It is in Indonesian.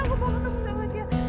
aku mau ketemu sama tiara